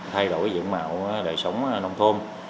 thay đổi dựng mạo đời sống nông thôn